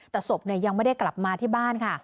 แต่ศพยังไม่ได้กลับมาที่บ้านค่ะ